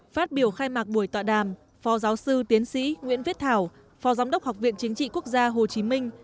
phát biểu khai mạc buổi tọa đàm phó giáo sư tiến sĩ nguyễn viết thảo phó giám đốc học viện chính trị quốc gia hồ chí minh